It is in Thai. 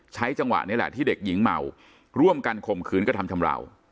จังหวะนี้แหละที่เด็กหญิงเมาร่วมกันข่มขืนกระทำชำราว